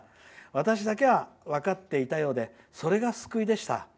私だけは分かっていたようでそれが救いでした」。